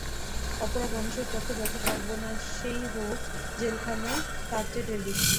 অপরাধ মানুষের পক্ষে যত সর্বনেশেই হোক, জেলখানা তার চেয়ে ঢের বেশি।